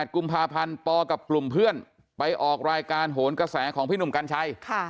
กุมภาพันธ์ปกับกลุ่มเพื่อนไปออกรายการโหนกระแสของพี่หนุ่มกัญชัย